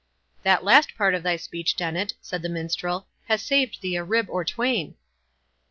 "That last part of thy speech, Dennet," said the Minstrel, "has saved thee a rib or twain."